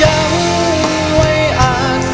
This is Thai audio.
ยังเพราะความสำคัญ